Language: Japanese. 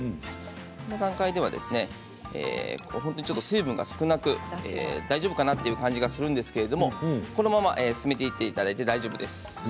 この段階では水分が少なく大丈夫かな？という感じがするんですけどこのまま進めていっていただいて大丈夫です。